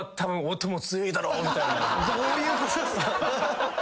どういうことっすか？